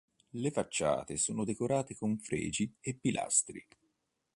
Le facciate sono decorate con fregi e pilastri.